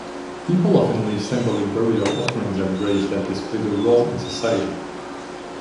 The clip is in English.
People often leave symbolic burial offerings at graves that display their role in society.